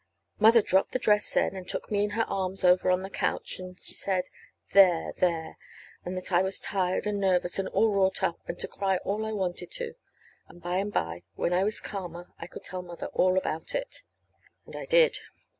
Mother dropped the dress then, and took me in her arms over on the couch, and she said, "There, there," and that I was tired and nervous, and all wrought up, and to cry all I wanted to. And by and by, when I was calmer I could tell Mother all about it. And I did.